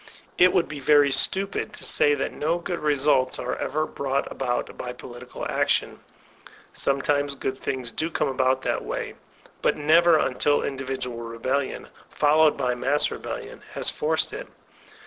It would be very stupid to say that no good re anlts are ever brought about by political action; some times good things do come about that way* But never until individual rebellion, followed by mass rebelHon, has forced it.